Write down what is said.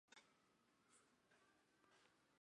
希兰于高斯林在舒梨郡拥有的里录制了歌曲。